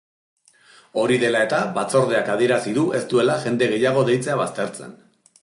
Hori dela eta, batzordeak adierazi du ez duela jende gehiago deitzea baztertzen.